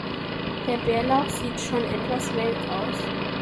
Der Bärlauch sieht schon etwas welk aus.